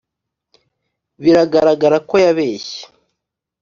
biragaragara ko yabeshye.